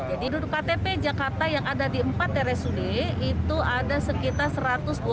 jadi untuk ktp jakarta yang ada di empat rsud itu ada sekitar satu ratus dua puluh delapan